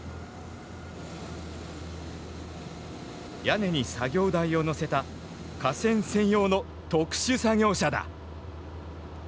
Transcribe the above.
屋根に作業台をのせた架線専用の特殊作業車だ。